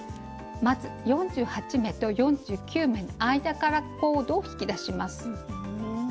まず４８目と４９目の間からコードを引き出します。